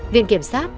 viện kiểm sát